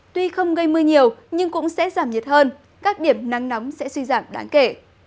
tuy không gây mưa nhiều nhưng cũng sẽ giảm nhiệt hơn các điểm nắng nóng sẽ suy giảm đáng kể